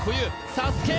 ＳＡＳＵＫＥ